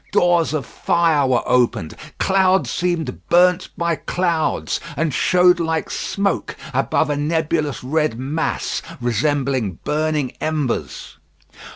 Doors of fire were opened, clouds seemed burnt by clouds, and showed like smoke above a nebulous red mass, resembling burning embers.